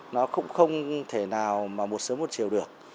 nó cũng không thể nào mà một sớm một chiều được